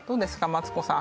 マツコさん